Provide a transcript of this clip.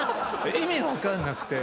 意味分かんなくて。